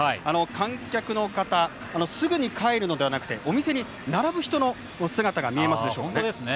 観客の方すぐに帰るのではなくてお店に並ぶ人の姿が見えます。